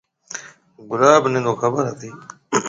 گلاب نَي تو خبر ھتِي۔